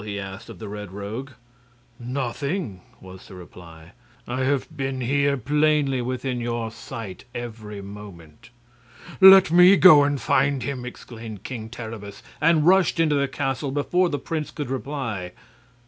he asked of the Red Rogue. "Nothing," was the reply. "I have been here, plainly within your sight, every moment." "Let me go and find him!" exclaimed King Terribus, and rushed into the castle before the prince could reply.